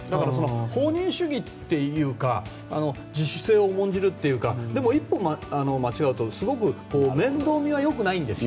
だから、放任主義というか自主性を重んじるというかでも一歩間違うとすごく面倒見はよくないんです。